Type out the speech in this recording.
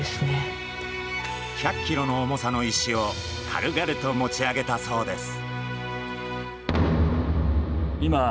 １００ｋｇ の重さの石を軽々と持ち上げたそうです。